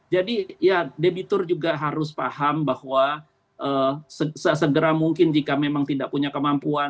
jadi debitur juga harus paham bahwa segera mungkin jika memang tidak punya kemampuan